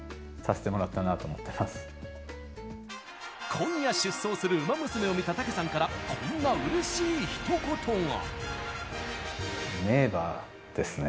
今夜、出走するウマ娘を見た武さんからこんなうれしいひと言が。